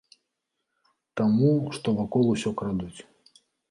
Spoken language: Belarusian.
Таму, што вакол усё крадуць.